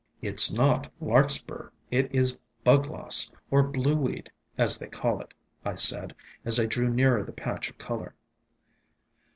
"It 's not Larkspur. It is Bugloss, orBlueweed, as they call it," I said, as I drew nearer the patch of color.